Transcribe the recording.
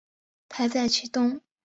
台在其东。